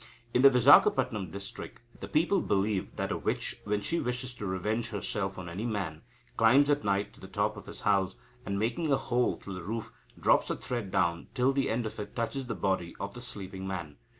In the Vizagapatam district, the people believe that a witch, when she wishes to revenge herself on any man, climbs at night to the top of his house, and, making a hole through the roof, drops a thread down till the end of it touches the body of the sleeping man.